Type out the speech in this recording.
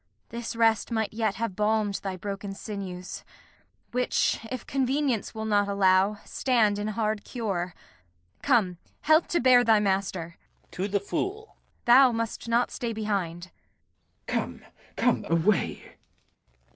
This rest might yet have balm'd thy broken senses, Which, if convenience will not allow, Stand in hard cure. [To the Fool] Come, help to bear thy master. Thou must not stay behind. Glou. Come, come, away!